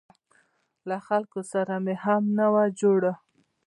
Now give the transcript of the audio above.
له خلکو سره مې هم نه وه جوړه.